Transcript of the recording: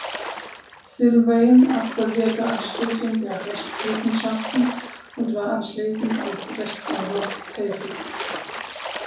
Sylvain absolvierte ein Studium der Rechtswissenschaften und war anschließend als Rechtsanwalt tätig.